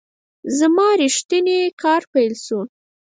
زما ریښتینی کار پیل شو .